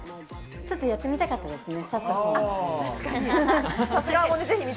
ちょっとやってみたかったですね。